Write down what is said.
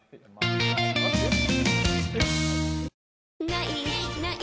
「ない！ない！